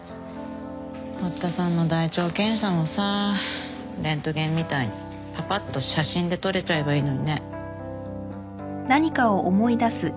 堀田さんの大腸検査もさレントゲンみたいにパパッと写真で撮れちゃえばいいのにね。